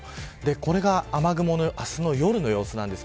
これが雨雲の明日の夜の様子です。